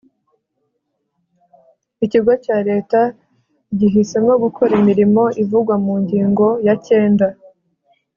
ikigo cya leta gihisemo gukora imirimo ivugwa mu ngingo ya cyenda